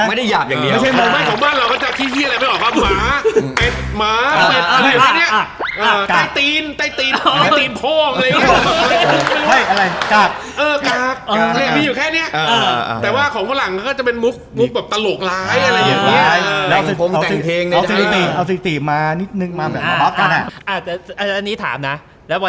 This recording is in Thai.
ไม่ได้หยาบอย่างเดียว